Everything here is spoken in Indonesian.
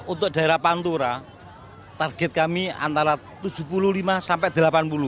untuk daerah pantura target kami antara tujuh puluh lima sampai delapan puluh